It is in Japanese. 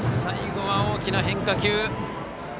最後は大きな変化球。